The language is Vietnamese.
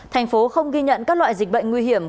thành phố không ghi nhận các loại dịch bệnh nguy hiểm